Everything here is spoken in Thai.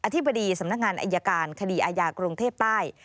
ธิบดีสำนักงานอายการคดีอาญากรุงเทพใต้